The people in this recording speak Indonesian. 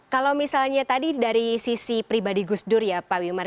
kalau misalnya tadi dari sisi pribadi gus dur ya pak wimar